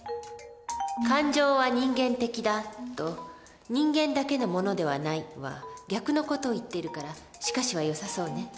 「感情は人間的だ」と「人間だけのものではない」は逆の事を言っているから「しかし」はよさそうね。